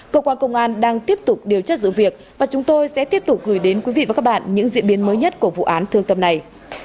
cơ quan công an đang tiếp tục điều tra dự việc và chúng tôi sẽ tiếp tục gửi đến quý vị và các bạn những diễn biến mới nhất của vụ án thương tâm này